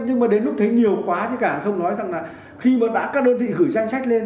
nhưng mà đến lúc thấy nhiều quá thì cả không nói rằng là khi mà đã các đơn vị gửi danh sách lên